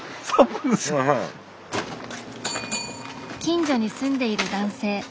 近所に住んでいる男性。